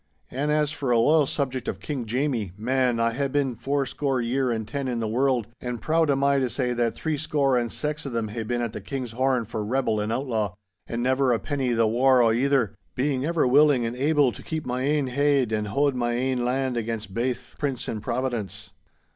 An' as for a loyal subject of King Jamie, man, I hae been four score year and ten in the world, and proud am I to say that three score and sax o' them hae been at the King's Horn for rebel and outlaw—an' never a penny the waur o' either, being ever willing and able to keep my ain heid and haud my ain land again baith prince and Providence!